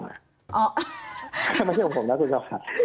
ไม่ใช่ของผมนะทุกคนค่ะ